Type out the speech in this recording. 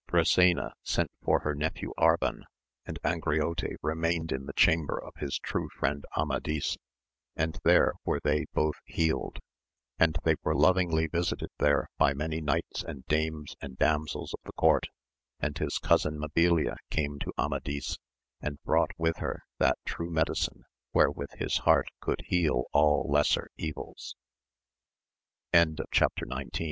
Brisena sent for her nephew Arban, and Angriote remained in the chamber of his true friend Amadis, and there were they both healed; AMADIS OF GAUL. 101 and they were lovingly visited there by many knights and dames and damsels of the court, and his cousin Mabilia came to Amadis, and brought with her that true medicine wherewith his heart could he